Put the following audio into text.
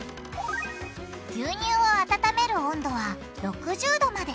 牛乳を温める温度は６０℃まで！